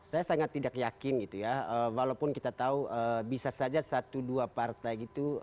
saya sangat tidak yakin gitu ya walaupun kita tahu bisa saja satu dua partai gitu